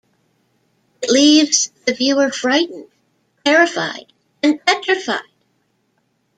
It leaves the viewer frightened, terrified and petrified.